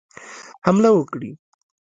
حمله وکړي.